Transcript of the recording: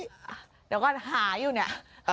เดี๋ยวก่อนหาอยู่เนี่ย